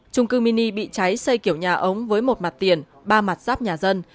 trung cư mini bị cháy xây kiểu nhà ống với một mặt tiền ba mặt giáp nhà dân